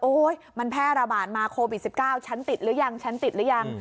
มันแพร่ระบาดมาโควิด๑๙ฉันติดหรือยังฉันติดหรือยัง